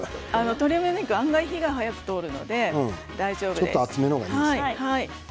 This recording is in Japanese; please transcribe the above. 鶏むね肉は簡単に火が通るので大丈夫です。